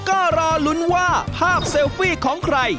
ก็รอลุ้นว่าภาพเซลฟี่ของใคร